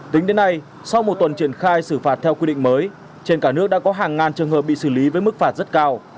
tính đến nay sau một tuần triển khai xử phạt theo quy định mới trên cả nước đã có hàng ngàn trường hợp bị xử lý với mức phạt rất cao